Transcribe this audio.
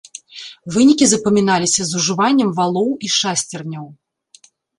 Вынікі запаміналіся з ужываннем валоў і шасцерняў.